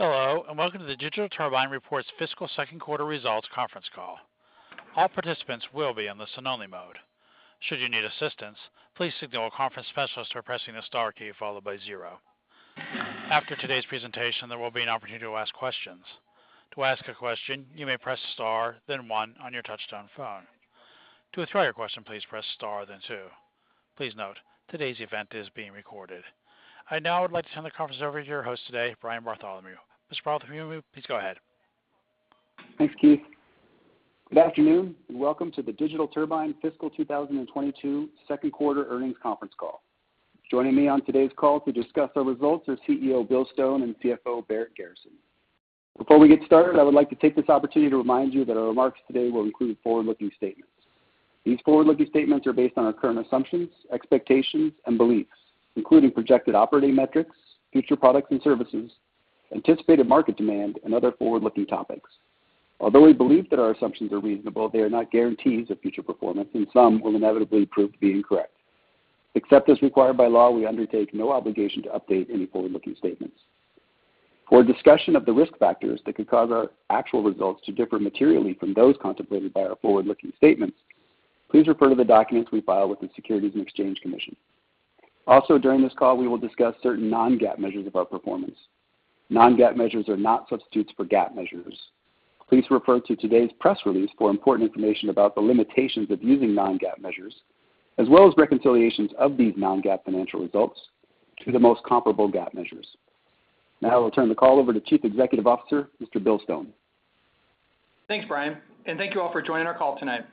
Hello, and welcome to the Digital Turbine Reports Fiscal Second Quarter Results conference call. All participants will be on the listen-only mode. Should you need assistance, please signal a conference specialist by pressing the star key followed by zero. After today's presentation, there will be an opportunity to ask questions. To ask a question, you may press star, then one on your touchtone phone. To withdraw your question, please press star then two. Please note, today's event is being recorded. I now would like to turn the conference over to your host today, Brian Bartholomew. Mr. Bartholomew, please go ahead. Thanks, Keith. Good afternoon, and welcome to the Digital Turbine Fiscal 2022 Second Quarter Earnings Conference Call. Joining me on today's call to discuss our results are CEO Bill Stone and CFO Barrett Garrison. Before we get started, I would like to take this opportunity to remind you that our remarks today will include forward-looking statements. These forward-looking statements are based on our current assumptions, expectations, and beliefs, including projected operating metrics, future products and services, anticipated market demand, and other forward-looking topics. Although we believe that our assumptions are reasonable, they are not guarantees of future performance, and some will inevitably prove to be incorrect. Except as required by law, we undertake no obligation to update any forward-looking statements. For a discussion of the risk factors that could cause our actual results to differ materially from those contemplated by our forward-looking statements, please refer to the documents we file with the Securities and Exchange Commission. Also, during this call, we will discuss certain non-GAAP measures of our performance. Non-GAAP measures are not substitutes for GAAP measures. Please refer to today's press release for important information about the limitations of using non-GAAP measures, as well as reconciliations of these non-GAAP financial results to the most comparable GAAP measures. Now I will turn the call over to Chief Executive Officer, Mr. Bill Stone. Thanks, Brian, and thank you all for joining our call tonight.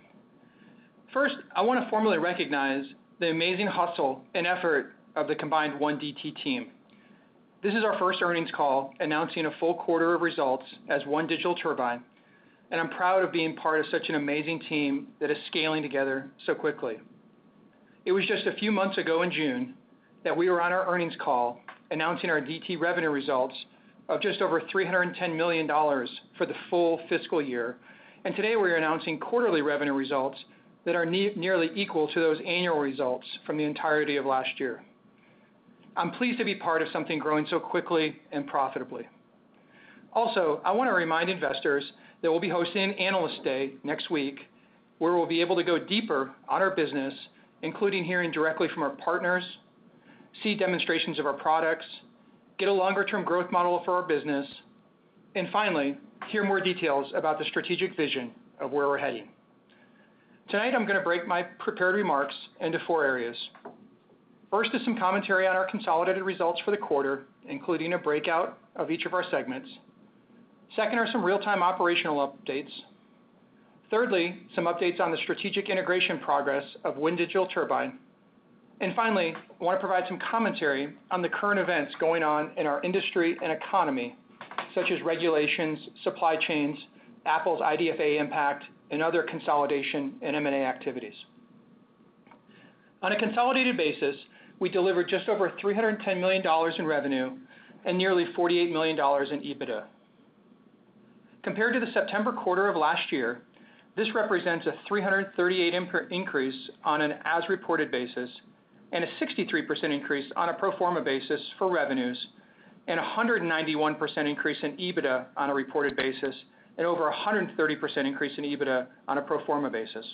First, I wanna formally recognize the amazing hustle and effort of the combined one DT team. This is our first earnings call announcing a full quarter of results as one Digital Turbine, and I'm proud of being part of such an amazing team that is scaling together so quickly. It was just a few months ago in June that we were on our earnings call announcing our DT revenue results of just over $310 million for the full fiscal year. Today, we're announcing quarterly revenue results that are nearly equal to those annual results from the entirety of last year. I'm pleased to be part of something growing so quickly and profitably. Also, I wanna remind investors that we'll be hosting an Analyst Day next week, where we'll be able to go deeper on our business, including hearing directly from our partners, see demonstrations of our products, get a longer-term growth model for our business, and finally, hear more details about the strategic vision of where we're heading. Tonight, I'm gonna break my prepared remarks into four areas. First is some commentary on our consolidated results for the quarter, including a breakout of each of our segments. Second are some real-time operational updates. Thirdly, some updates on the strategic integration progress of One Digital Turbine. And finally, I wanna provide some commentary on the current events going on in our industry and economy, such as regulations, supply chains, Apple's IDFA impact, and other consolidation and M&A activities. On a consolidated basis, we delivered just over $310 million in revenue and nearly $48 million in EBITDA. Compared to the September quarter of last year, this represents a 338% increase on an as-reported basis and a 63% increase on a pro forma basis for revenues, and a 191% increase in EBITDA on a reported basis and over a 130% increase in EBITDA on a pro forma basis.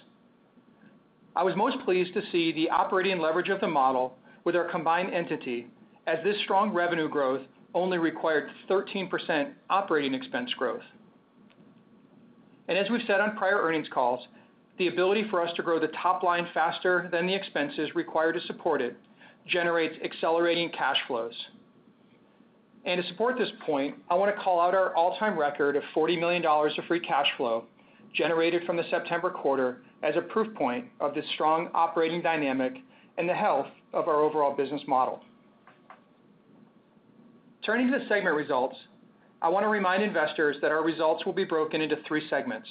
I was most pleased to see the operating leverage of the model with our combined entity as this strong revenue growth only required 13% operating expense growth. As we've said on prior earnings calls, the ability for us to grow the top line faster than the expenses required to support it generates accelerating cash flows. To support this point, I wanna call out our all-time record of $40 million of free cash flow generated from the September quarter as a proof point of the strong operating dynamic and the health of our overall business model. Turning to the segment results, I wanna remind investors that our results will be broken into three segments.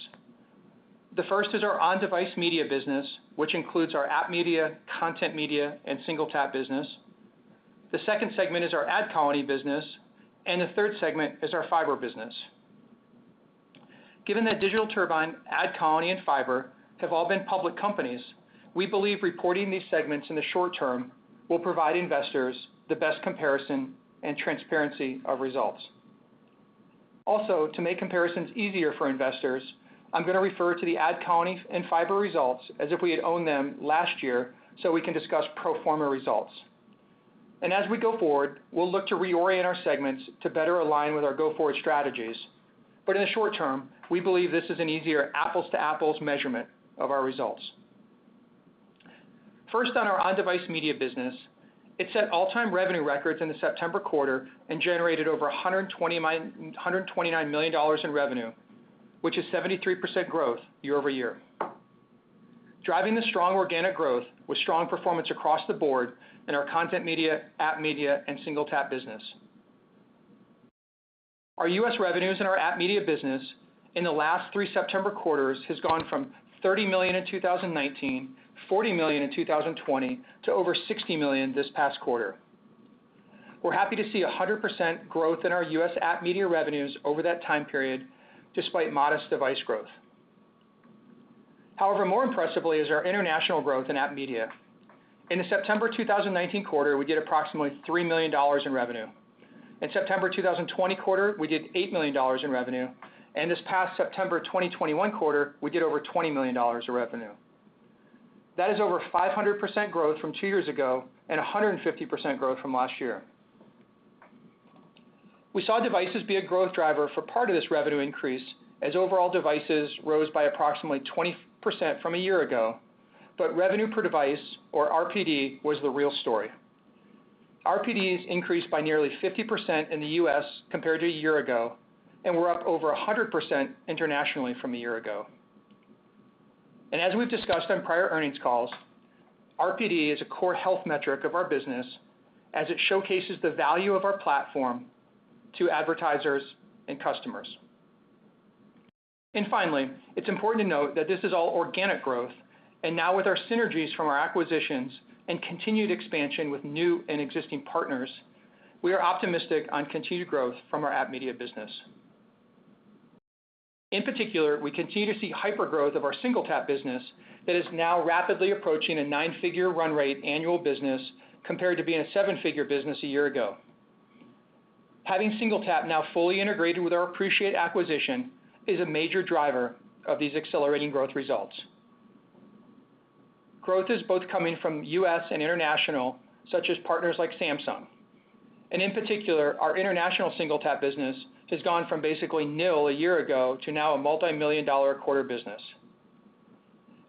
The first is our on-device media business, which includes our app media, content media, and SingleTap business. The second segment is our AdColony business, and the third segment is our Fyber business. Given that Digital Turbine, AdColony, and Fyber have all been public companies, we believe reporting these segments in the short term will provide investors the best comparison and transparency of results. Also, to make comparisons easier for investors, I'm gonna refer to the AdColony and Fyber results as if we had owned them last year, so we can discuss pro forma results. As we go forward, we'll look to reorient our segments to better align with our go-forward strategies. In the short term, we believe this is an easier apples to apples measurement of our results. First, on our on-device media business, it set all-time revenue records in the September quarter and generated over $129 million in revenue, which is 73% growth year-over-year. Driving the strong organic growth was strong performance across the board in our content media, app media, and SingleTap business. Our U.S. revenues in our app media business in the last three September quarters has gone from $30 million in 2019, $40 million in 2020, to over $60 million this past quarter. We're happy to see 100% growth in our U.S. app media revenues over that time period despite modest device growth. However, more impressively is our international growth in app media. In the September 2019 quarter, we did approximately $3 million in revenue. In September 2020 quarter, we did $8 million in revenue, and this past September 2021 quarter, we did over $20 million of revenue. That is over 500% growth from two years ago and 150% growth from last year. We saw devices be a growth driver for part of this revenue increase as overall devices rose by approximately 20% from a year ago, but revenue per device or RPD was the real story. RPDs increased by nearly 50% in the U.S. compared to a year ago, and we're up over 100% internationally from a year ago. As we've discussed on prior earnings calls, RPD is a core health metric of our business as it showcases the value of our platform to advertisers and customers. Finally, it's important to note that this is all organic growth. Now with our synergies from our acquisitions and continued expansion with new and existing partners, we are optimistic on continued growth from our app media business. In particular, we continue to see hypergrowth of our SingleTap business that is now rapidly approaching a nine-figure run rate annual business compared to being a seven-figure business a year ago. Having SingleTap now fully integrated with our Appreciate acquisition is a major driver of these accelerating growth results. Growth is both coming from U.S. and international, such as partners like Samsung. In particular, our international SingleTap business has gone from basically nil a year ago to now a multimillion-dollar a quarter business.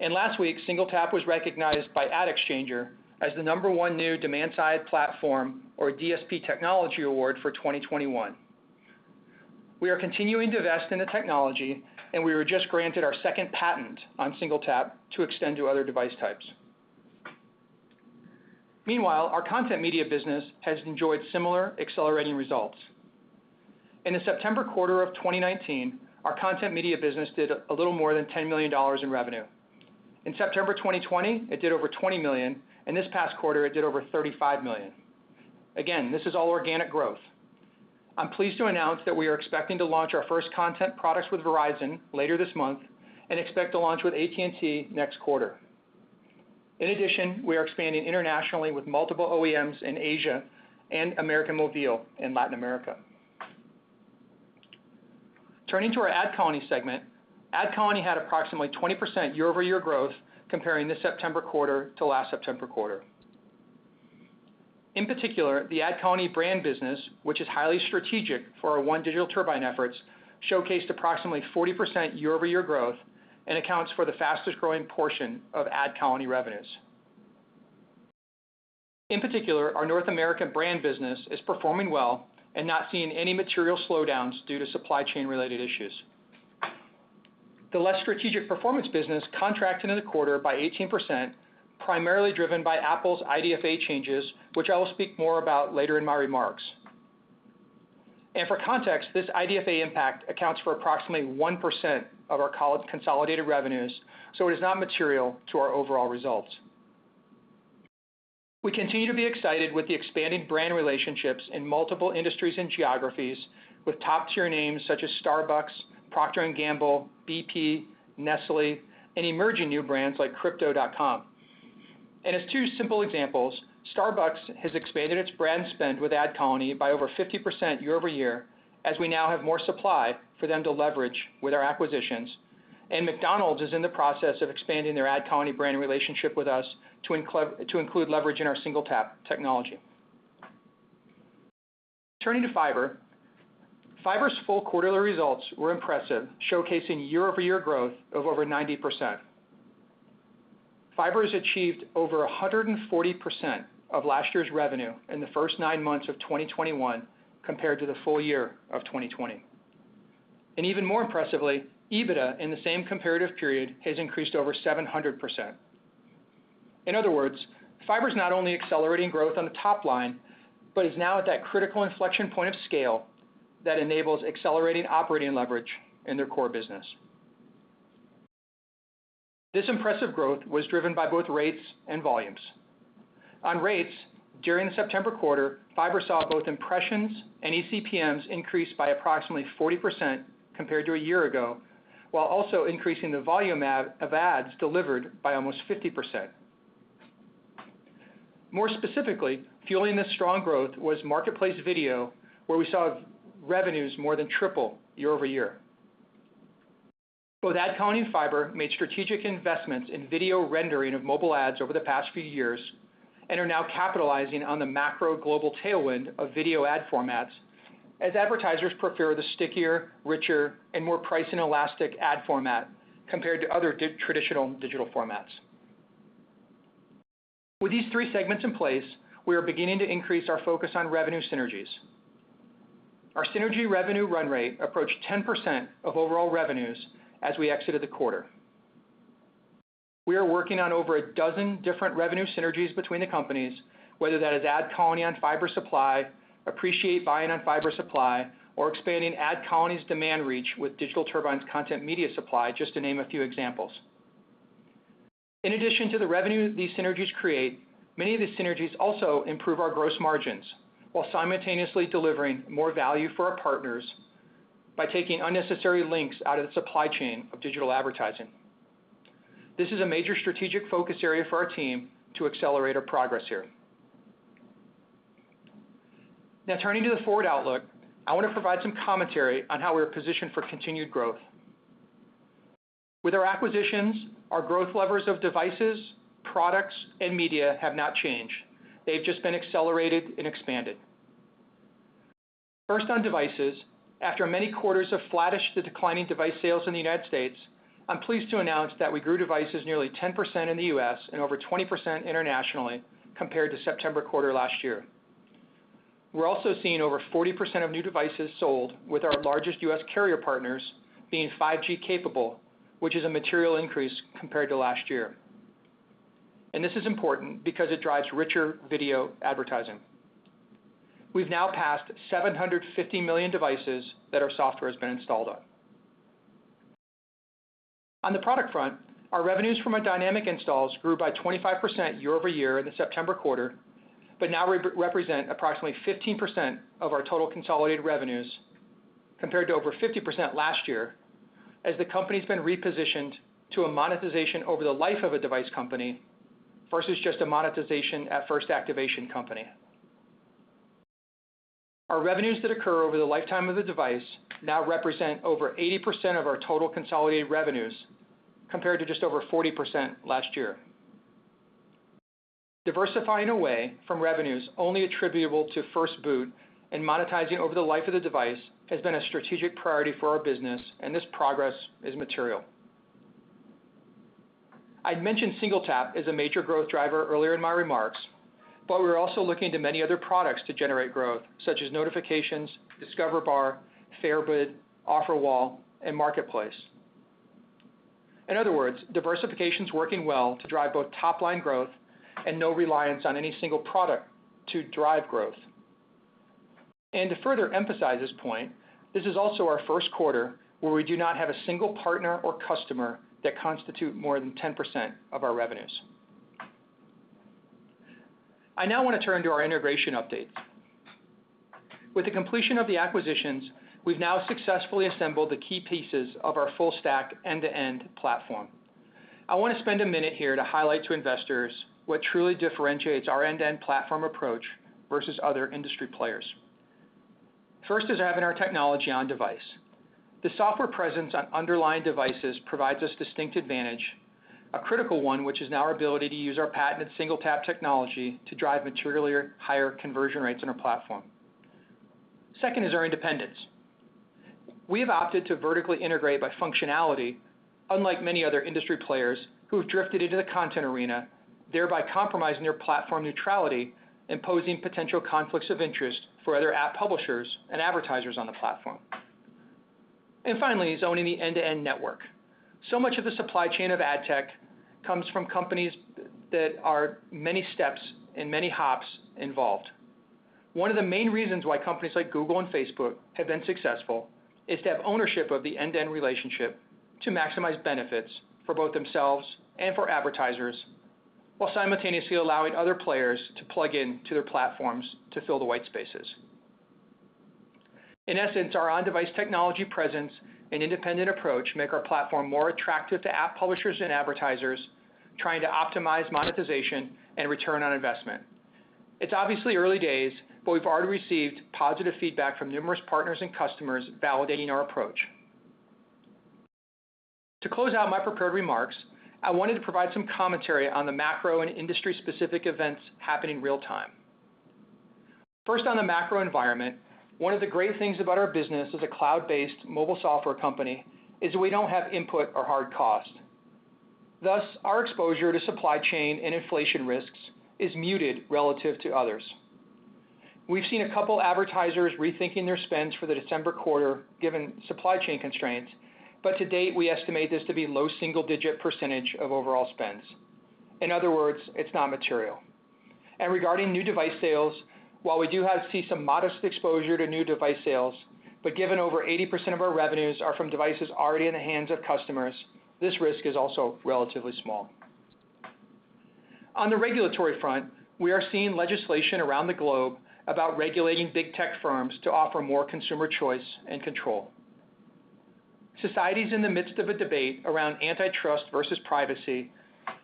Last week, SingleTap was recognized by AdExchanger as the number one new demand side platform or DSP technology award for 2021. We are continuing to invest in the technology, and we were just granted our second patent on SingleTap to extend to other device types. Meanwhile, our content media business has enjoyed similar accelerating results. In the September quarter of 2019, our content media business did a little more than $10 million in revenue. In September 2020, it did over $20 million, and this past quarter, it did over $35 million. Again, this is all organic growth. I'm pleased to announce that we are expecting to launch our first content products with Verizon later this month and expect to launch with AT&T next quarter. In addition, we are expanding internationally with multiple OEMs in Asia and América Móvil in Latin America. Turning to our AdColony segment. AdColony had approximately 20% year-over-year growth comparing the September quarter to last September quarter. In particular, the AdColony brand business, which is highly strategic for our One Digital Turbine efforts, showcased approximately 40% year-over-year growth and accounts for the fastest-growing portion of AdColony revenues. In particular, our North American brand business is performing well and not seeing any material slowdowns due to supply chain related issues. The less strategic performance business contracted in the quarter by 18%, primarily driven by Apple's IDFA changes, which I will speak more about later in my remarks. For context, this IDFA impact accounts for approximately 1% of our consolidated revenues, so it is not material to our overall results. We continue to be excited with the expanding brand relationships in multiple industries and geographies with top-tier names such as Starbucks, Procter & Gamble, BP, Nestlé, and emerging new brands like Crypto.com. As two simple examples, Starbucks has expanded its brand spend with AdColony by over 50% year-over-year, as we now have more supply for them to leverage with our acquisitions. McDonald's is in the process of expanding their AdColony brand relationship with us to include leverage in our SingleTap technology. Turning to Fyber. Fyber's full quarterly results were impressive, showcasing year-over-year growth of over 90%. Fyber has achieved over 140% of last year's revenue in the first nine months of 2021 compared to the full year of 2020. Even more impressively, EBITDA in the same comparative period has increased over 700%. In other words, Fyber is not only accelerating growth on the top line, but is now at that critical inflection point of scale that enables accelerating operating leverage in their core business. This impressive growth was driven by both rates and volumes. On rates, during the September quarter, Fyber saw both impressions and eCPMs increase by approximately 40% compared to a year ago, while also increasing the volume of ads delivered by almost 50%. More specifically, fueling this strong growth was Marketplace video, where we saw revenues more than triple year-over-year. Both AdColony and Fyber made strategic investments in video rendering of mobile ads over the past few years and are now capitalizing on the macro global tailwind of video ad formats as advertisers prefer the stickier, richer, and more price-elastic ad format compared to other traditional digital formats. With these three segments in place, we are beginning to increase our focus on revenue synergies. Our synergy revenue run rate approached 10% of overall revenues as we exited the quarter. We are working on over a dozen different revenue synergies between the companies, whether that is AdColony on Fyber supply, Appreciate buying on Fyber supply, or expanding AdColony's demand reach with Digital Turbine's content media supply, just to name a few examples. In addition to the revenue these synergies create, many of the synergies also improve our gross margins while simultaneously delivering more value for our partners by taking unnecessary links out of the supply chain of digital advertising. This is a major strategic focus area for our team to accelerate our progress here. Now turning to the forward outlook, I wanna provide some commentary on how we are positioned for continued growth. With our acquisitions, our growth levers of devices, products and media have not changed. They've just been accelerated and expanded. First, on devices, after many quarters of flattish to declining device sales in the United States, I'm pleased to announce that we grew devices nearly 10% in the U.S. and over 20% internationally compared to September quarter last year. We're also seeing over 40% of new devices sold, with our largest U.S. carrier partners being 5G capable, which is a material increase compared to last year. This is important because it drives richer video advertising. We've now passed 750 million devices that our software has been installed on. On the product front, our revenues from our Dynamic Installs grew by 25% year-over-year in the September quarter, but now represent approximately 15% of our total consolidated revenues, compared to over 50% last year as the company's been repositioned to a monetization over the life of a device company versus just a monetization at first activation company. Our revenues that occur over the lifetime of the device now represent over 80% of our total consolidated revenues, compared to just over 40% last year. Diversifying away from revenues only attributable to first boot and monetizing over the life of the device has been a strategic priority for our business, and this progress is material. I'd mentioned SingleTap as a major growth driver earlier in my remarks, but we're also looking to many other products to generate growth, such as Notifications, Discover Bar, FairBid, Offer Wall, and Marketplace. In other words, diversification is working well to drive both top line growth and no reliance on any single product to drive growth. To further emphasize this point, this is also our first quarter where we do not have a single partner or customer that constitute more than 10% of our revenues. I now wanna turn to our integration update. With the completion of the acquisitions, we've now successfully assembled the key pieces of our full stack end-to-end platform. I wanna spend a minute here to highlight to investors what truly differentiates our end-to-end platform approach versus other industry players. First is having our technology on device. The software presence on underlying devices provides us distinct advantage, a critical one, which is now our ability to use our patented SingleTap technology to drive materially higher conversion rates in our platform. Second is our independence. We have opted to vertically integrate by functionality, unlike many other industry players who have drifted into the content arena, thereby compromising their platform neutrality, imposing potential conflicts of interest for other app publishers and advertisers on the platform. Finally, owning the end-to-end network. Much of the supply chain of ad tech comes from companies that are many steps and many hops involved. One of the main reasons why companies like Google and Facebook have been successful is to have ownership of the end-to-end relationship to maximize benefits for both themselves and for advertisers, while simultaneously allowing other players to plug into their platforms to fill the white spaces. In essence, our on-device technology presence and independent approach make our platform more attractive to app publishers and advertisers trying to optimize monetization and return on investment. It's obviously early days, but we've already received positive feedback from numerous partners and customers validating our approach. To close out my prepared remarks, I wanted to provide some commentary on the macro and industry-specific events happening real-time. First, on the macro environment, one of the great things about our business as a cloud-based mobile software company is that we don't have input or hard cost. Thus, our exposure to supply chain and inflation risks is muted relative to others. We've seen a couple advertisers rethinking their spends for the December quarter, given supply chain constraints, but to date, we estimate this to be low single-digit % of overall spends. In other words, it's not material. Regarding new device sales, while we do have some modest exposure to new device sales, given over 80% of our revenues are from devices already in the hands of customers, this risk is also relatively small. On the regulatory front, we are seeing legislation around the globe about regulating big tech firms to offer more consumer choice and control. Society is in the midst of a debate around antitrust versus privacy,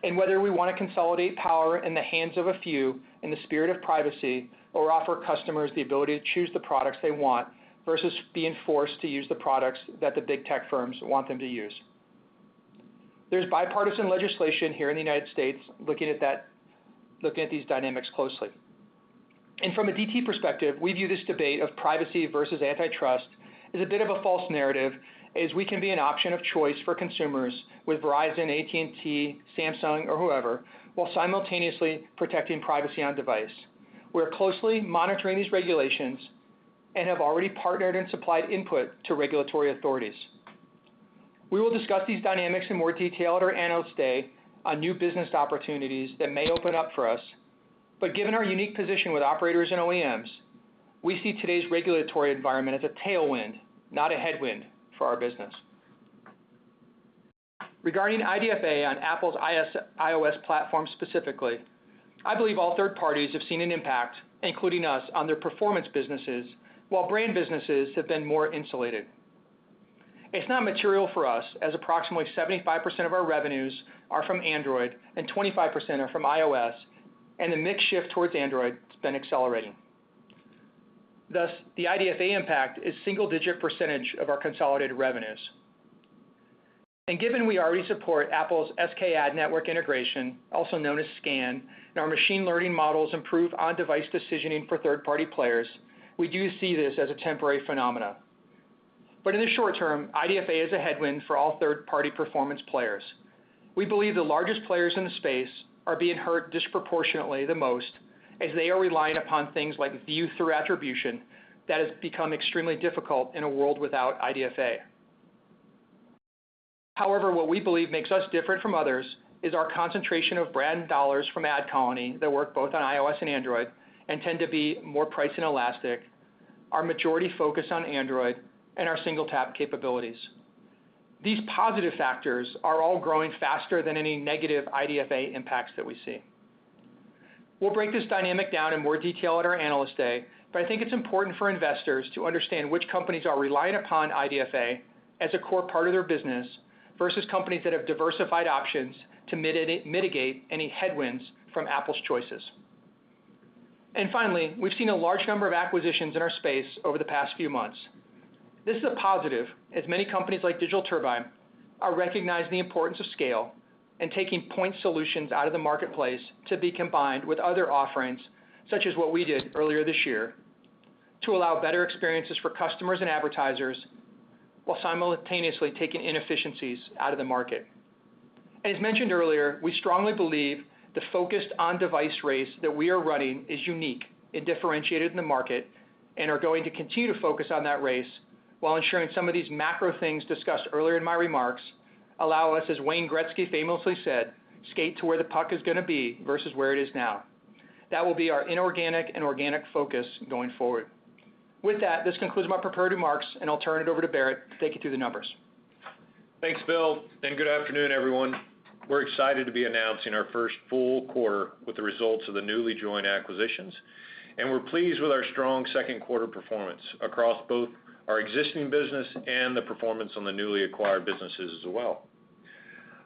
and whether we wanna consolidate power in the hands of a few in the spirit of privacy, or offer customers the ability to choose the products they want versus being forced to use the products that the big tech firms want them to use. There's bipartisan legislation here in the United States looking at these dynamics closely. From a DT perspective, we view this debate of privacy versus antitrust as a bit of a false narrative, as we can be an option of choice for consumers with Verizon, AT&T, Samsung or whoever, while simultaneously protecting privacy on device. We are closely monitoring these regulations and have already partnered and supplied input to regulatory authorities. We will discuss these dynamics in more detail at our Analyst Day on new business opportunities that may open up for us. Given our unique position with operators and OEMs, we see today's regulatory environment as a tailwind, not a headwind for our business. Regarding IDFA on Apple's iOS platform specifically, I believe all third parties have seen an impact, including us, on their performance businesses, while brand businesses have been more insulated. It's not material for us, as approximately 75% of our revenues are from Android and 25% are from iOS, and the mix shift towards Android has been accelerating. Thus, the IDFA impact is single-digit percentage of our consolidated revenues. Given we already support Apple's SKAdNetwork integration, also known as SKAN, and our machine learning models improve on-device decisioning for third-party players, we do see this as a temporary phenomenon. In the short term, IDFA is a headwind for all third-party performance players. We believe the largest players in the space are being hurt disproportionately the most as they are relying upon things like view-through attribution that has become extremely difficult in a world without IDFA. However, what we believe makes us different from others is our concentration of brand dollars from AdColony that work both on iOS and Android and tend to be more price inelastic, our majority focus on Android, and our single tap capabilities. These positive factors are all growing faster than any negative IDFA impacts that we see. We'll break this dynamic down in more detail at our Analyst Day, but I think it's important for investors to understand which companies are relying upon IDFA as a core part of their business versus companies that have diversified options to mitigate any headwinds from Apple's choices. Finally, we've seen a large number of acquisitions in our space over the past few months. This is a positive, as many companies like Digital Turbine are recognizing the importance of scale and taking point solutions out of the marketplace to be combined with other offerings, such as what we did earlier this year, to allow better experiences for customers and advertisers while simultaneously taking inefficiencies out of the market. As mentioned earlier, we strongly believe the focused on-device race that we are running is unique and differentiated in the market and are going to continue to focus on that race while ensuring some of these macro things discussed earlier in my remarks allow us, as Wayne Gretzky famously said, "Skate to where the puck is gonna be versus where it is now." That will be our inorganic and organic focus going forward. With that, this concludes my prepared remarks, and I'll turn it over to Barrett to take you through the numbers. Thanks, Bill, and good afternoon, everyone. We're excited to be announcing our first full quarter with the results of the newly joined acquisitions, and we're pleased with our strong second quarter performance across both our existing business and the performance on the newly acquired businesses as well.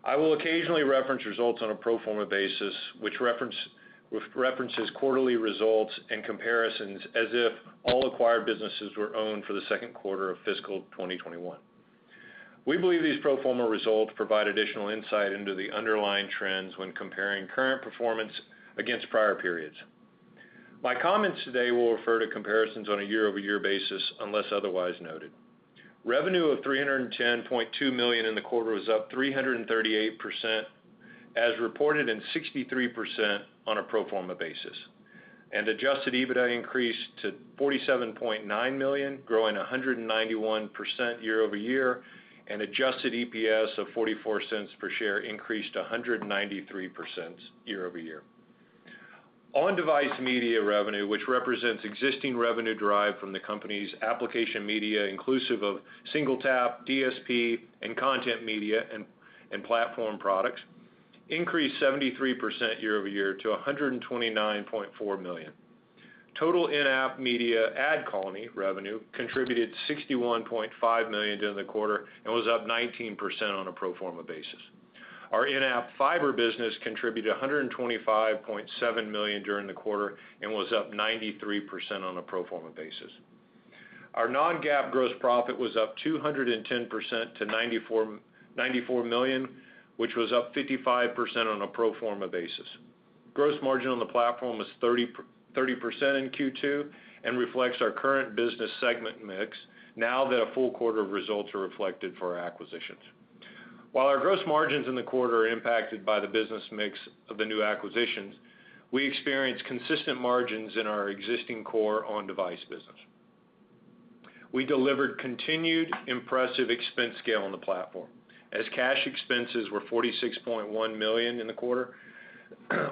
I will occasionally reference results on a pro forma basis, which references quarterly results and comparisons as if all acquired businesses were owned for the second quarter of fiscal 2021. We believe these pro forma results provide additional insight into the underlying trends when comparing current performance against prior periods. My comments today will refer to comparisons on a year-over-year basis unless otherwise noted. Revenue of $310.2 million in the quarter was up 338%, as reported, and 63% on a pro forma basis. Adjusted EBITDA increased to $47.9 million, growing 191% year-over-year, and adjusted EPS of 44 cents per share increased 193% year-over-year. On-device media revenue, which represents existing revenue derived from the company's application media inclusive of SingleTap, DSP, and content media and platform products, increased 73% year-over-year to $129.4 million. Total in-app media AdColony revenue contributed $61.5 million during the quarter and was up 19% on a pro forma basis. Our in-app Fyber business contributed $125.7 million during the quarter and was up 93% on a pro forma basis. Our non-GAAP gross profit was up 210% to $94 million, which was up 55% on a pro forma basis. Gross margin on the platform was 33% in Q2 and reflects our current business segment mix now that a full quarter of results are reflected for our acquisitions. While our gross margins in the quarter are impacted by the business mix of the new acquisitions, we experienced consistent margins in our existing core on-device business. We delivered continued impressive expense scale on the platform as cash expenses were $46.1 million in the quarter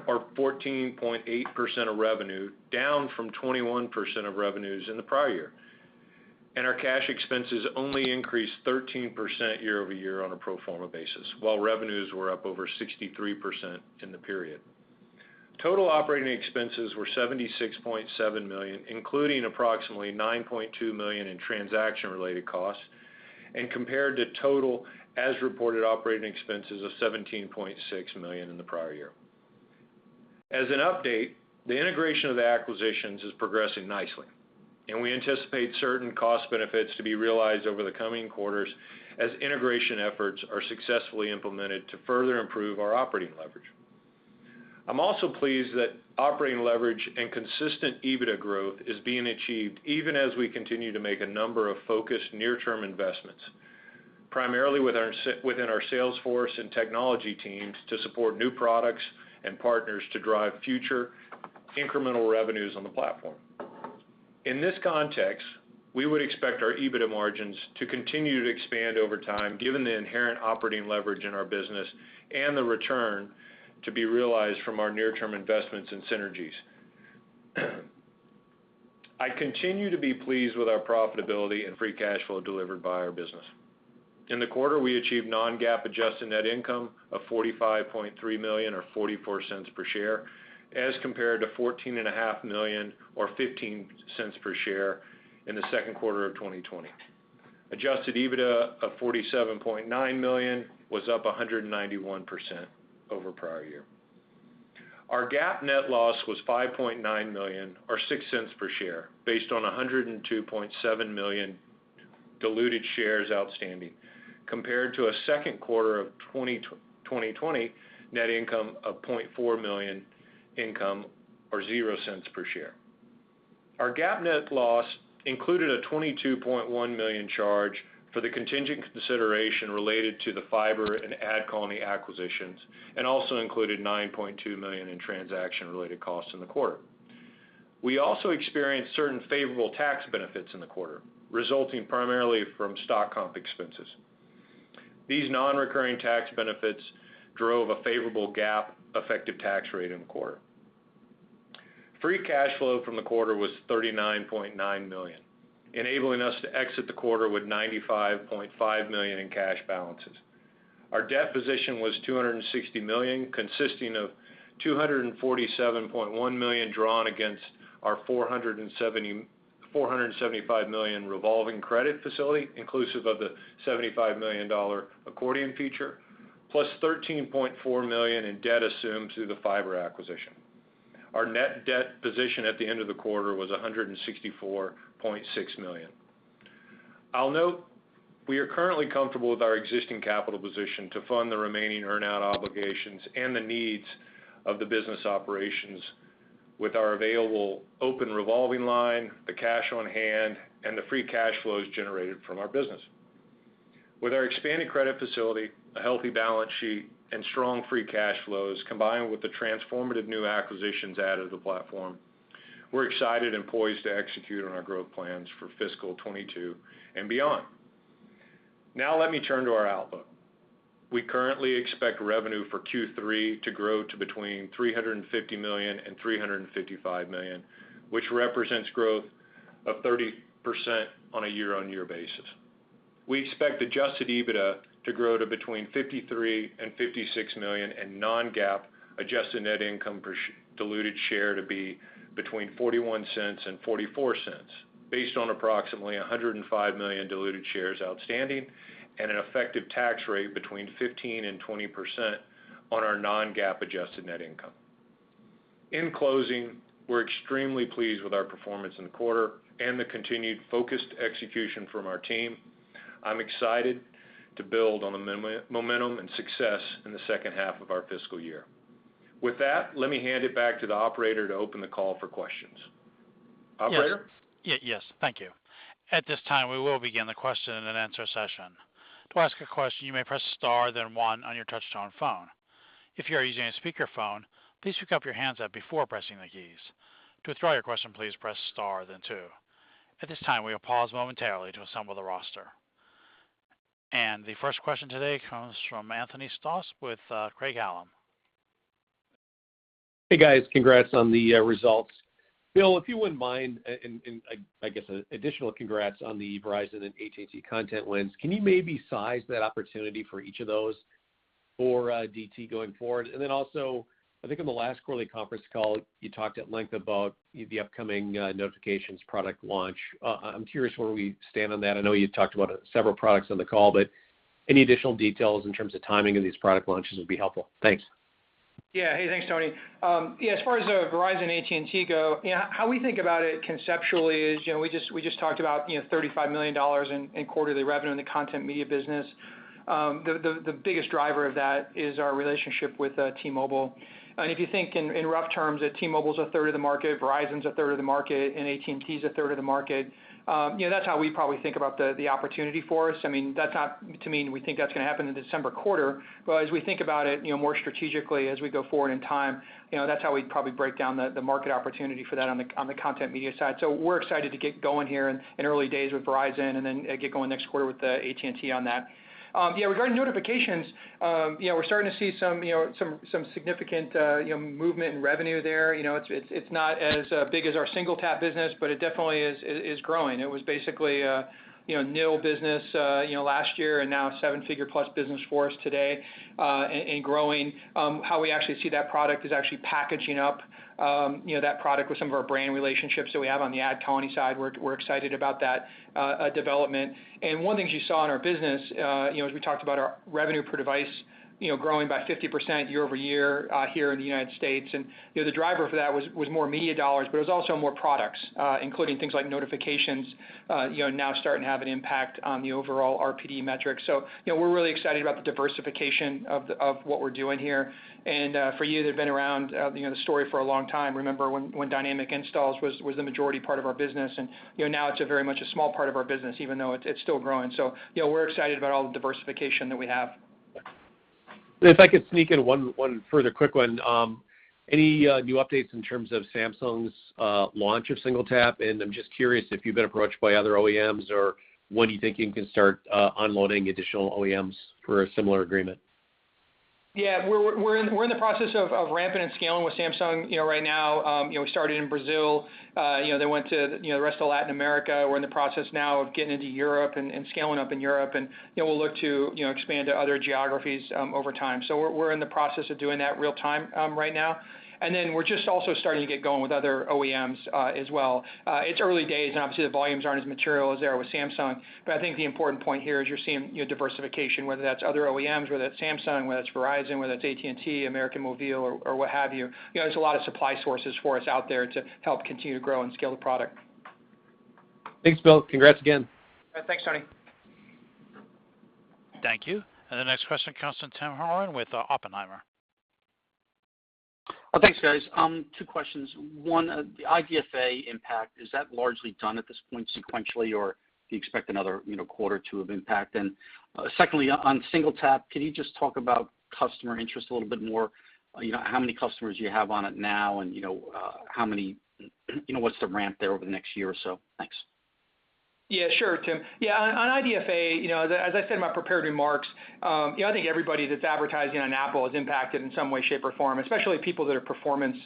or 14.8% of revenue, down from 21% of revenues in the prior year. Our cash expenses only increased 13% year-over-year on a pro forma basis, while revenues were up over 63% in the period. Total operating expenses were $76.7 million, including approximately $9.2 million in transaction-related costs, and compared to total as-reported operating expenses of $17.6 million in the prior year. As an update, the integration of the acquisitions is progressing nicely, and we anticipate certain cost benefits to be realized over the coming quarters as integration efforts are successfully implemented to further improve our operating leverage. I'm also pleased that operating leverage and consistent EBITDA growth is being achieved even as we continue to make a number of focused near-term investments. Primarily within our sales force and technology teams to support new products and partners to drive future incremental revenues on the platform. In this context, we would expect our EBITDA margins to continue to expand over time given the inherent operating leverage in our business and the return to be realized from our near-term investments and synergies. I continue to be pleased with our profitability and free cash flow delivered by our business. In the quarter, we achieved non-GAAP adjusted net income of $45.3 million or $0.44 per share as compared to $14.5 million or $0.15 per share in the second quarter of 2020. Adjusted EBITDA of $47.9 million was up 191% over prior year. Our GAAP net loss was $5.9 million or $0.06 per share based on 102.7 million diluted shares outstanding compared to a second quarter of 2020 net income of $0.4 million or $0.00 per share. Our GAAP net loss included a $22.1 million charge for the contingent consideration related to the Fyber and AdColony acquisitions and also included $9.2 million in transaction-related costs in the quarter. We also experienced certain favorable tax benefits in the quarter, resulting primarily from stock comp expenses. These non-recurring tax benefits drove a favorable GAAP effective tax rate in the quarter. Free cash flow from the quarter was $39.9 million, enabling us to exit the quarter with $95.5 million in cash balances. Our debt position was $260 million, consisting of $247.1 million drawn against our $475 million revolving credit facility, inclusive of the $75 million accordion feature, plus $13.4 million in debt assumed through the Fyber acquisition. Our net debt position at the end of the quarter was $164.6 million. I'll note we are currently comfortable with our existing capital position to fund the remaining earn out obligations and the needs of the business operations with our available open revolving line, the cash on hand, and the free cash flows generated from our business. With our expanded credit facility, a healthy balance sheet, and strong free cash flows, combined with the transformative new acquisitions added to the platform, we're excited and poised to execute on our growth plans for fiscal 2022 and beyond. Now let me turn to our outlook. We currently expect revenue for Q3 to grow to between $350 million and $355 million, which represents growth of 30% on a year-on-year basis. We expect adjusted EBITDA to grow to between $53 million-$56 million and non-GAAP adjusted net income per diluted share to be between $0.41-$0.44 based on approximately 105 million diluted shares outstanding and an effective tax rate between 15%-20% on our non-GAAP adjusted net income. In closing, we're extremely pleased with our performance in the quarter and the continued focused execution from our team. I'm excited to build on the momentum and success in the second half of our fiscal year. With that, let me hand it back to the operator to open the call for questions. Operator? Yes. Thank you. At this time, we will begin the question and answer session. To ask a question, you may press star, then one on your touchtone phone. If you are using a speakerphone, please pick up your handset before pressing the keys. To withdraw your question, please press star then two. At this time, we will pause momentarily to assemble the roster. The first question today comes from Anthony Stoss with Craig-Hallum. Hey, guys. Congrats on the results. Bill, if you wouldn't mind, and I guess, additional congrats on the Verizon and AT&T content wins. Can you maybe size that opportunity for each of those for DT going forward? I think on the last quarterly conference call, you talked at length about the upcoming Notifications product launch. I'm curious where we stand on that. I know you talked about several products on the call, but any additional details in terms of timing of these product launches would be helpful. Thanks. Yeah. Hey, thanks, Tony. Yeah, as far as Verizon, AT&T go, you know, how we think about it conceptually is, you know, we just talked about $35 million in quarterly revenue in the content media business. The biggest driver of that is our relationship with T-Mobile. If you think in rough terms that T-Mobile is a third of the market, Verizon is a third of the market, and AT&T is a third of the market, you know, that's how we probably think about the opportunity for us. I mean, that's not to mean we think that's gonna happen in the December quarter. As we think about it, you know, more strategically as we go forward in time, you know, that's how we probably break down the market opportunity for that on the content media side. We're excited to get going here in early days with Verizon and then get going next quarter with the AT&T on that. Yeah, regarding Notifications, you know, we're starting to see some significant movement in revenue there. You know, it's not as big as our SingleTap business, but it definitely is growing. It was basically nil business last year and now a seven-figure-plus business for us today, and growing. How we actually see that product is actually packaging up, you know, that product with some of our brand relationships that we have on the AdColony side. We're excited about that development. One of the things you saw in our business, you know, as we talked about our revenue per device, you know, growing by 50% year-over-year, here in the United States. You know, the driver for that was more media dollars, but it was also more products, including things like notifications, you know, now starting to have an impact on the overall RPD metrics. You know, we're really excited about the diversification of what we're doing here. For you that have been around, you know, the story for a long time, remember when Dynamic Installs was the majority part of our business, and, you know, now it's a very much a small part of our business, even though it's still growing. You know, we're excited about all the diversification that we have. If I could sneak in one further quick one. Any new updates in terms of Samsung's launch of SingleTap? I'm just curious if you've been approached by other OEMs, or when do you think you can start onboarding additional OEMs for a similar agreement? Yeah, we're in the process of ramping and scaling with Samsung, you know, right now. You know, we started in Brazil, you know, then went to, you know, the rest of Latin America. We're in the process now of getting into Europe and scaling up in Europe. You know, we'll look to, you know, expand to other geographies, over time. We're in the process of doing that real time, right now. We're just also starting to get going with other OEMs, as well. It's early days, and obviously, the volumes aren't as material as they are with Samsung. I think the important point here is you're seeing, you know, diversification, whether that's other OEMs, whether that's Samsung, whether it's Verizon, whether it's AT&T, América Móvil or what have you. You know, there's a lot of supply sources for us out there to help continue to grow and scale the product. Thanks, Bill. Congrats again. Thanks, Tony. Thank you. The next question comes from Timothy Horan with Oppenheimer. Well, thanks, guys. Two questions. One, the IDFA impact, is that largely done at this point sequentially, or do you expect another, you know, quarter or two of impact? Secondly, on SingleTap, can you just talk about customer interest a little bit more? You know, how many customers you have on it now, and, you know, how many, you know, what's the ramp there over the next year or so? Thanks. Yeah, sure, Tim. Yeah, on IDFA, you know, as I said in my prepared remarks, you know, I think everybody that's advertising on Apple is impacted in some way, shape, or form, especially people that are performance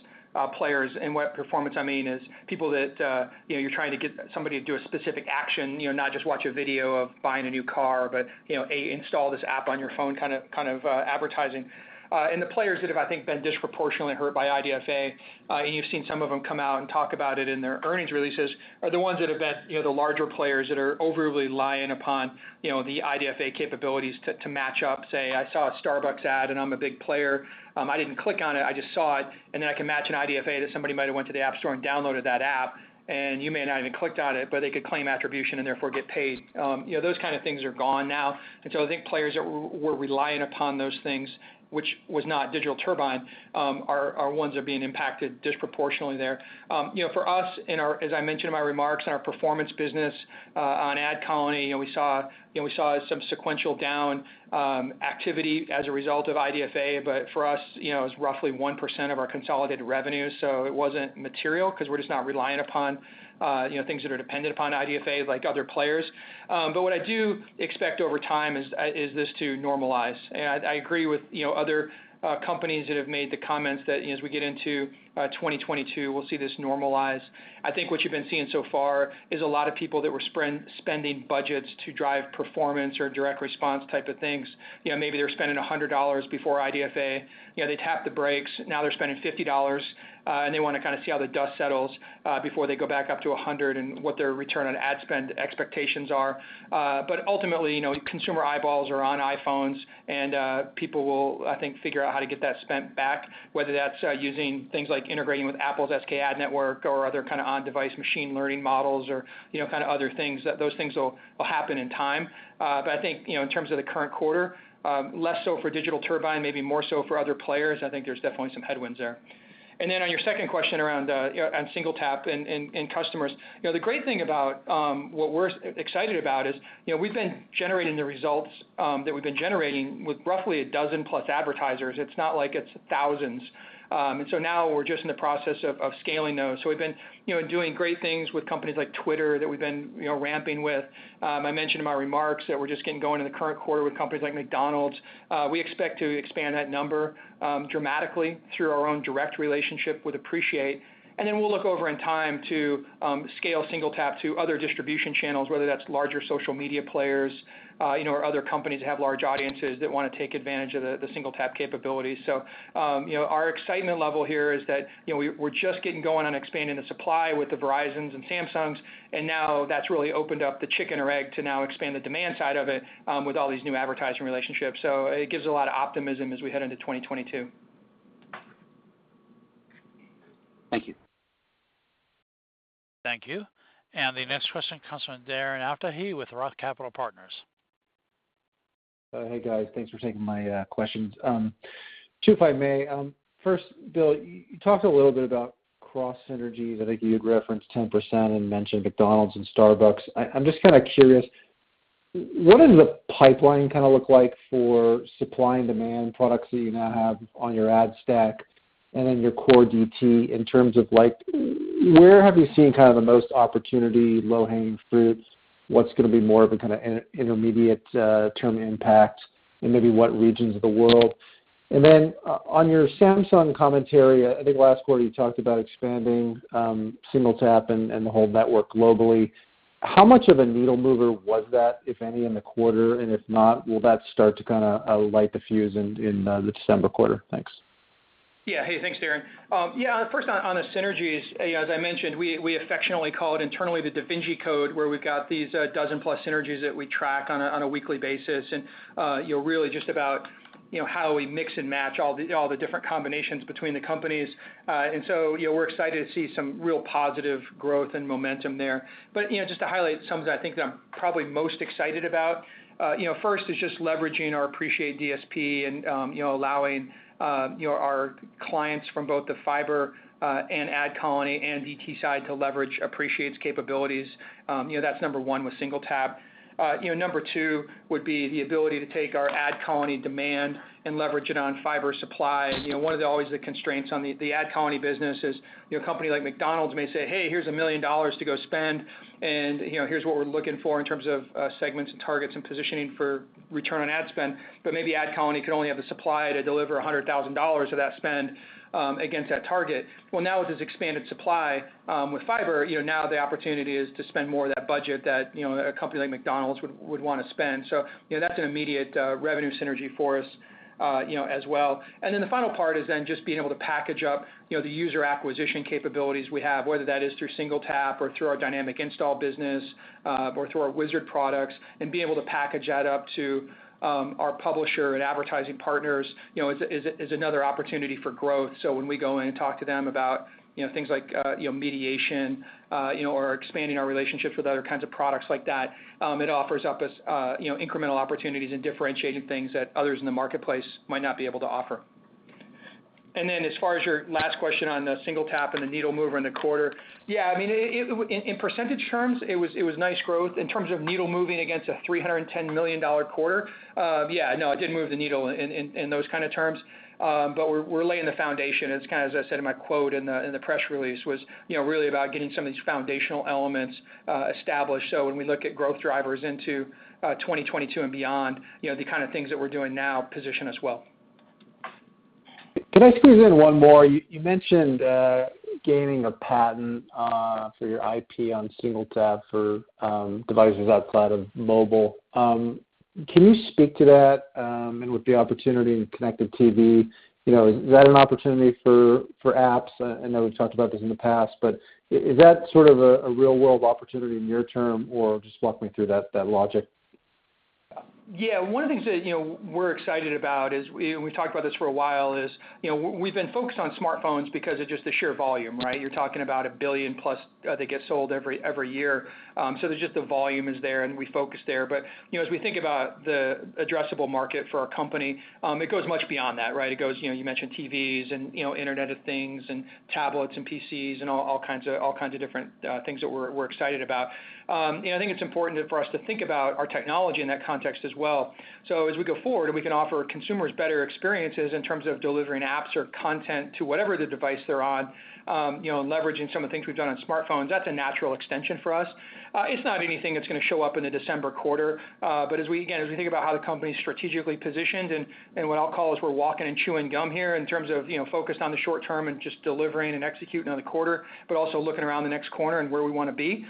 players. And what performance I mean is people that, you know, you're trying to get somebody to do a specific action, you know, not just watch a video or buying a new car, but, you know, install this app on your phone kind of advertising. The players that have, I think, been disproportionately hurt by IDFA, and you've seen some of them come out and talk about it in their earnings releases, are the ones that have been, you know, the larger players that are overly reliant upon, you know, the IDFA capabilities to match up, say, I saw a Starbucks ad and I'm a big player. I didn't click on it, I just saw it, and then I can match an IDFA that somebody might have went to the App Store and downloaded that app. And you may not even clicked on it, but they could claim attribution and therefore get paid. You know, those kind of things are gone now. I think players that were reliant upon those things, which was not Digital Turbine, are ones that are being impacted disproportionately there. You know, for us, as I mentioned in my remarks, in our performance business, on AdColony, you know, we saw, you know, we saw some sequential down activity as a result of IDFA. For us, you know, it was roughly 1% of our consolidated revenue, so it wasn't material because we're just not reliant upon, you know, things that are dependent upon IDFA like other players. What I do expect over time is this to normalize. I agree with, you know, other companies that have made the comments that, you know, as we get into 2022, we'll see this normalize. I think what you've been seeing so far is a lot of people that were spending budgets to drive performance or direct response type of things. You know, maybe they were spending $100 before IDFA. You know, they tapped the brakes, now they're spending $50, and they wanna kind of see how the dust settles, before they go back up to $100 and what their return on ad spend expectations are. Ultimately, you know, consumer eyeballs are on iPhones, and, people will, I think, figure out how to get that spend back, whether that's, using things like integrating with Apple's SKAdNetwork or other kind of on-device machine learning models or, you know, kind of other things. Those things will happen in time. I think, you know, in terms of the current quarter, less so for Digital Turbine, maybe more so for other players, I think there's definitely some headwinds there. Then on your second question around, you know, on SingleTap and customers. You know, the great thing about what we're excited about is, you know, we've been generating the results that we've been generating with roughly a dozen plus advertisers. It's not like it's thousands. Now we're just in the process of scaling those. So we've been, you know, doing great things with companies like Twitter that we've been, you know, ramping with. I mentioned in my remarks that we're just getting going in the current quarter with companies like McDonald's. We expect to expand that number dramatically through our own direct relationship with Appreciate. Then we'll look over in time to scale SingleTap to other distribution channels, whether that's larger social media players, you know, or other companies that have large audiences that wanna take advantage of the SingleTap capabilities. You know, our excitement level here is that, you know, we're just getting going on expanding the supply with the Verizons and Samsungs, and now that's really opened up the chicken or egg to now expand the demand side of it, with all these new advertising relationships. It gives a lot of optimism as we head into 2022. Thank you. Thank you. The next question comes from Darren Aftahi with Roth Capital Partners. Hey, guys. Thanks for taking my questions. Two, if I may. First, Bill, you talked a little bit about cross synergies. I think you had referenced 10% and mentioned McDonald's and Starbucks. I'm just kind of curious, what does the pipeline kind of look like for supply and demand products that you now have on your ad stack and in your core DT in terms of like, where have you seen kind of the most opportunity, low-hanging fruits? What's gonna be more of a kind of an intermediate term impact, and maybe what regions of the world? Then on your Samsung commentary, I think last quarter you talked about expanding SingleTap and the whole network globally. How much of a needle mover was that, if any, in the quarter? If not, will that start to kind of light the fuse in the December quarter? Thanks. Yeah. Hey, thanks, Darren. Yeah, first on the synergies, as I mentioned, we affectionately call it internally the Da Vinci code, where we've got these dozen plus synergies that we track on a weekly basis. You know, really just about you know how we mix and match all the different combinations between the companies. You know, we're excited to see some real positive growth and momentum there. You know, just to highlight some that I think that I'm probably most excited about, you know, first is just leveraging our Appreciate DSP and you know allowing you know our clients from both the Fyber and AdColony and DT side to leverage Appreciate's capabilities. You know, that's number one with SingleTap. You know, number two would be the ability to take our AdColony demand and leverage it on Fyber supply. You know, one of the always constraints on the AdColony business is, you know, a company like McDonald's may say, "Hey, here's $1 million to go spend, and, you know, here's what we're looking for in terms of segments and targets and positioning for return on ad spend." But maybe AdColony can only have the supply to deliver $100,000 of that spend against that target. Well, now with this expanded supply with Fyber, you know, now the opportunity is to spend more of that budget that, you know, a company like McDonald's would wanna spend. You know, that's an immediate revenue synergy for us, you know, as well. The final part is then just being able to package up, you know, the user acquisition capabilities we have, whether that is through SingleTap or through our Dynamic Installs business, or through our Wizard products, and being able to package that up to our publisher and advertising partners, you know, is another opportunity for growth. When we go in and talk to them about, you know, things like, you know, Mediation, you know, or expanding our relationships with other kinds of products like that, it offers us, you know, incremental opportunities in differentiating things that others in the marketplace might not be able to offer. As far as your last question on the SingleTap and the needle mover in the quarter, yeah, I mean, it was nice growth in percentage terms. In terms of needle moving against a $310 million quarter, no, it didn't move the needle in those kind of terms. But we're laying the foundation. It's kind of, as I said in my quote in the press release, you know, really about getting some of these foundational elements established. When we look at growth drivers into 2022 and beyond, you know, the kind of things that we're doing now position us well. Can I squeeze in one more? You mentioned gaining a patent for your IP on SingleTap for devices outside of mobile. Can you speak to that and with the opportunity in connected TV? You know, is that an opportunity for apps? I know we've talked about this in the past, but is that sort of a real world opportunity near term, or just walk me through that logic. Yeah. One of the things that, you know, we're excited about is, we've talked about this for a while, is, you know, we've been focused on smartphones because of just the sheer volume, right? You're talking about 1 billion plus that get sold every year. So there's just the volume is there, and we focus there. But, you know, as we think about the addressable market for our company, it goes much beyond that, right? It goes, you know, you mentioned TVs and, you know, Internet of Things and tablets and PCs and all kinds of different things that we're excited about. You know, I think it's important for us to think about our technology in that context as well. As we go forward, and we can offer consumers better experiences in terms of delivering apps or content to whatever the device they're on, you know, and leveraging some of the things we've done on smartphones, that's a natural extension for us. It's not anything that's gonna show up in the December quarter. But as we again think about how the company's strategically positioned and what I'll call is we're walking and chewing gum here in terms of, you know, focused on the short term and just delivering and executing on the quarter, but also looking around the next corner and where we wanna be,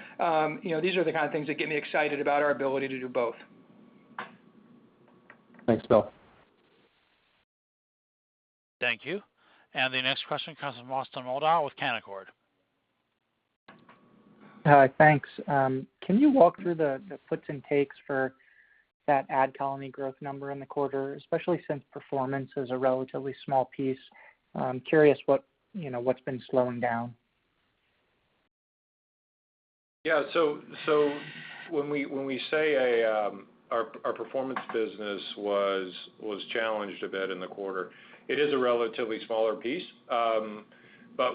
you know, these are the kind of things that get me excited about our ability to do both. Thanks, Bill. Thank you. The next question comes from Austin Moldow with Canaccord. Hi. Thanks. Can you walk through the puts and takes for that AdColony growth number in the quarter, especially since performance is a relatively small piece? I'm curious what, you know, what's been slowing down. When we say our performance business was challenged a bit in the quarter, it is a relatively smaller piece.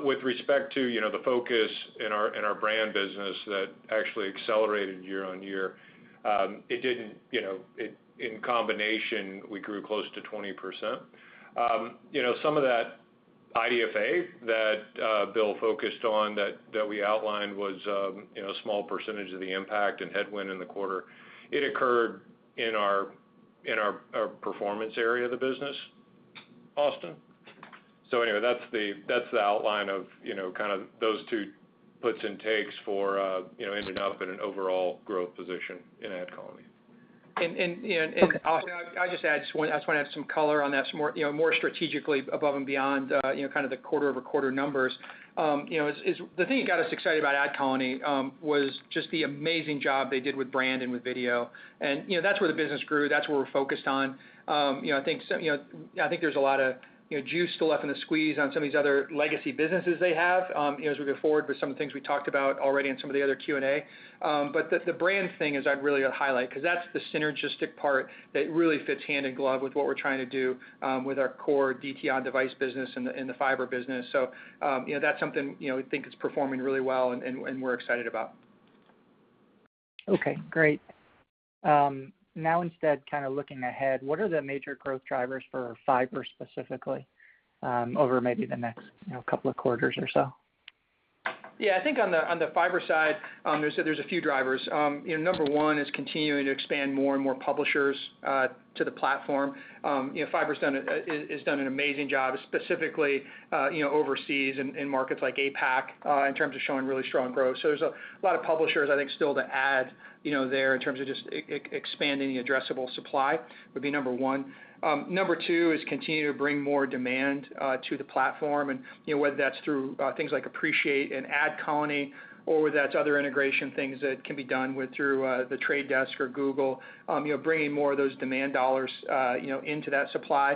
With respect to the focus in our brand business that actually accelerated year-over-year, in combination, we grew close to 20%. Some of that IDFA that Bill focused on that we outlined was a small percentage of the impact and headwind in the quarter. It occurred in our performance area of the business, Austin. Anyway, that's the outline of kind of those two puts and takes for ending up in an overall growth position in AdColony. Austin, I'll just add. I just wanna add some color on that, some more, you know, more strategically above and beyond, you know, kind of the quarter-over-quarter numbers. You know, it's the thing that got us excited about AdColony was just the amazing job they did with brand and with video. You know, that's where the business grew. That's where we're focused on. You know, I think there's a lot of, you know, juice still left in the squeeze on some of these other legacy businesses they have, you know, as we go forward with some of the things we talked about already in some of the other Q&A. The brand thing is I'd really highlight because that's the synergistic part that really fits hand in glove with what we're trying to do with our core DTO device business and the Fyber business. You know, that's something, you know, we think is performing really well and we're excited about. Okay, great. Now instead kind of looking ahead, what are the major growth drivers for Fyber specifically, over maybe the next, you know, couple of quarters or so? Yeah. I think on the Fyber side, there's a few drivers. You know, number one is continuing to expand more and more publishers to the platform. You know, Fyber has done an amazing job specifically, you know, overseas in markets like APAC, in terms of showing really strong growth. There's a lot of publishers, I think, still to add, you know, there in terms of just expanding the addressable supply would be number one. Number two is continue to bring more demand to the platform and, you know, whether that's through things like Appreciate and AdColony or whether that's other integration things that can be done with, through The Trade Desk or Google, you know, bringing more of those demand dollars, you know, into that supply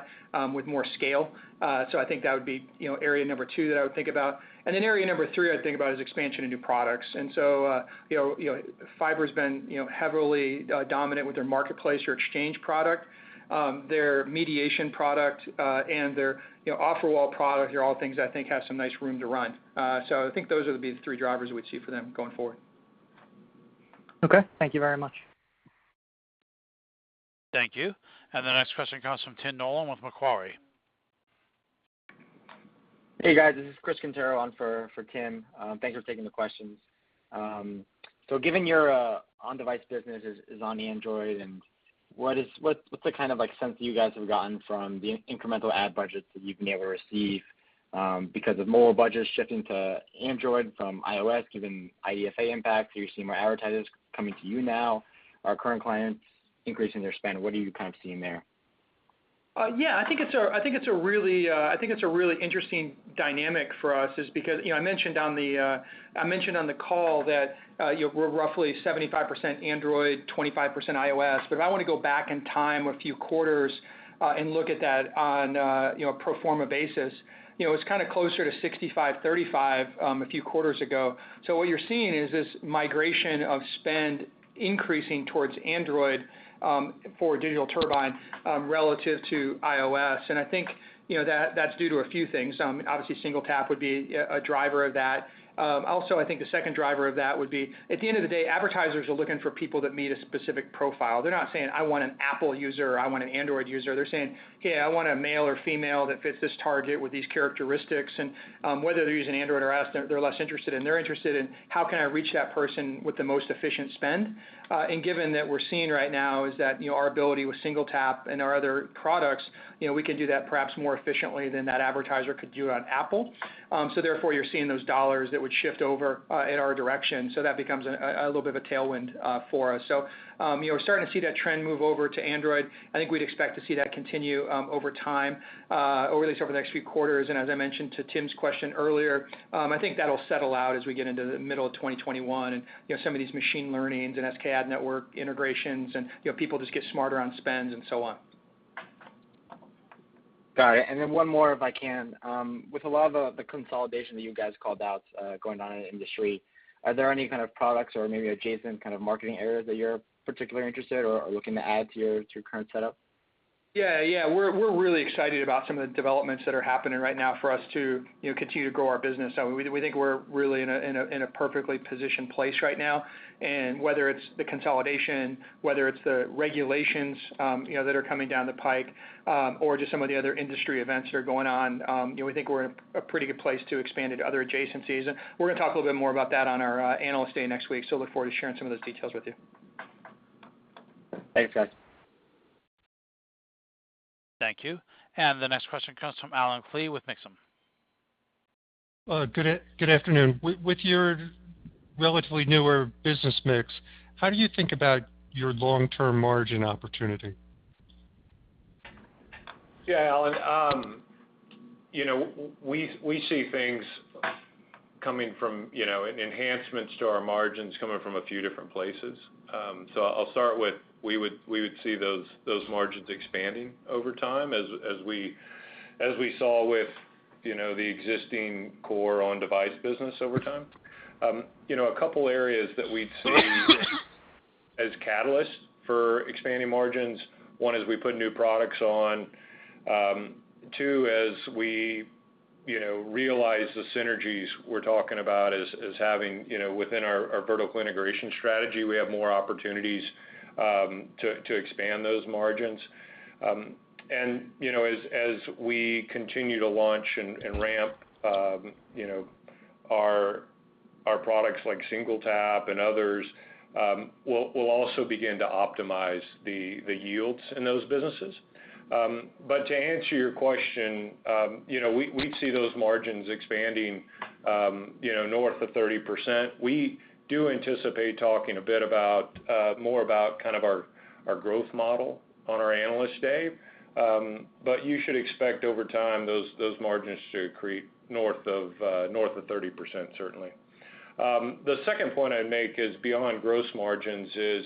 with more scale. I think that would be, you know, area number two that I would think about. Area number three I'd think about is expansion into products. You know, Fyber's been, you know, heavily dominant with their marketplace or exchange product, their mediation product, and their, you know, offer wall product are all things I think have some nice room to run. I think those would be the three drivers we'd see for them going forward. Okay, thank you very much. Thank you. The next question comes from Tim Nollen with Macquarie. Hey, guys. This is Chris Quintero on for Tim. Thanks for taking the questions. Given your on-device business is on Android and what's the kind of like sense you guys have gotten from the incremental ad budgets that you've been able to receive, because of more budgets shifting to Android from iOS given IDFA impact? Are you seeing more advertisers coming to you now? Are current clients increasing their spend? What are you kind of seeing there? I think it's a really interesting dynamic for us because, you know, I mentioned on the call that, you know, we're roughly 75% Android, 25% iOS. If I wanna go back in time a few quarters and look at that on, you know, a pro forma basis, you know, it's kind of closer to 65-35 a few quarters ago. What you're seeing is this migration of spend increasing towards Android for Digital Turbine relative to iOS. I think, you know, that that's due to a few things. Obviously, SingleTap would be a driver of that. Also, I think the second driver of that would be, at the end of the day, advertisers are looking for people that meet a specific profile. They're not saying, "I want an Apple user," or "I want an Android user." They're saying, "Hey, I want a male or female that fits this target with these characteristics." Whether they're using Android or iOS, they're less interested in. They're interested in, "How can I reach that person with the most efficient spend?" Given that we're seeing right now is that, you know, our ability with SingleTap and our other products, you know, we can do that perhaps more efficiently than that advertiser could do on Apple. Therefore, you're seeing those dollars that would shift over in our direction. That becomes a little bit of a tailwind for us. You know, we're starting to see that trend move over to Android. I think we'd expect to see that continue over time over the next few quarters. As I mentioned to Tim's question earlier, I think that'll settle out as we get into the middle of 2021 and, you know, some of these machine learnings and SKAdNetwork integrations and, you know, people just get smarter on spends and so on. Got it. One more, if I can. With a lot of the consolidation that you guys called out going on in the industry, are there any kind of products or maybe adjacent kind of marketing areas that you're particularly interested or are looking to add to your current setup? Yeah, yeah. We're really excited about some of the developments that are happening right now for us to, you know, continue to grow our business. We think we're really in a perfectly positioned place right now. Whether it's the consolidation, whether it's the regulations, you know, that are coming down the pike, or just some of the other industry events that are going on, you know, we think we're in a pretty good place to expand into other adjacencies. We're gonna talk a little bit more about that on our Analyst Day next week. Look forward to sharing some of those details with you. Thanks, guys. Thank you. The next question comes from Allen Klee with Maxim Group. Good afternoon. With your relatively newer business mix, how do you think about your long-term margin opportunity? Yeah, Allen. You know, we see things coming from, you know, enhancements to our margins coming from a few different places. I'll start with, we would see those margins expanding over time as we saw with, you know, the existing core on-device business over time. You know, a couple areas that we'd see as catalysts for expanding margins. One is we put new products on. Two, as we realize the synergies we're talking about as having, you know, within our vertical integration strategy, we have more opportunities to expand those margins. You know, as we continue to launch and ramp, you know, our products like SingleTap and others, we'll also begin to optimize the yields in those businesses. To answer your question, you know, we'd see those margins expanding, you know, north of 30%. We do anticipate talking a bit about more about kind of our growth model on our Analyst Day. You should expect over time, those margins to creep north of 30%, certainly. The second point I'd make is beyond gross margins is,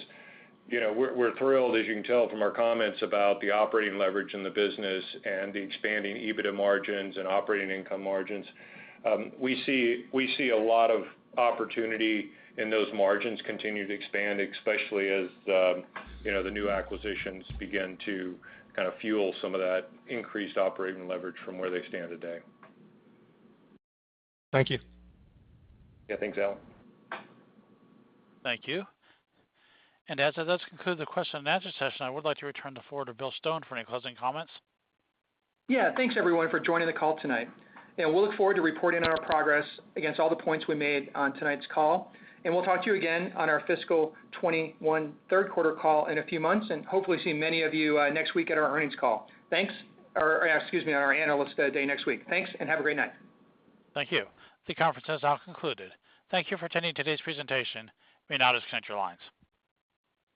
you know, we're thrilled, as you can tell from our comments about the operating leverage in the business and the expanding EBITDA margins and operating income margins. We see a lot of opportunity in those margins continue to expand, especially as, you know, the new acquisitions begin to kind of fuel some of that increased operating leverage from where they stand today. Thank you. Yeah. Thanks, Allen. Thank you. As that does conclude the question and answer session, I would like to return the floor to Bill Stone for any closing comments. Yeah. Thanks everyone for joining the call tonight. Yeah, we'll look forward to reporting on our progress against all the points we made on tonight's call. We'll talk to you again on our fiscal 2021 third quarter call in a few months and hopefully see many of you next week at our earnings call. Thanks. Excuse me, on our Analyst Day next week. Thanks, and have a great night. Thank you. The conference has now concluded. Thank you for attending today's presentation. We now disconnect your lines.